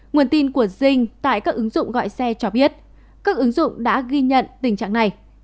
nguồn tin của dinh tại các ứng dụng gọi xe cho biết các ứng dụng đã ghi nhận tình trạng này